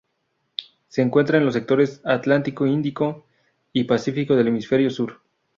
Se encuentra en los sectores Atlántico, índico y pacífico del hemisferio sur.